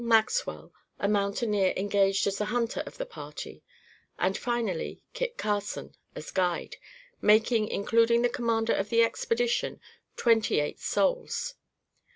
Maxwell, a mountaineer engaged as the hunter of the party; and finally, Kit Carson, as guide, making, including the commander of the Expedition, twenty eight souls.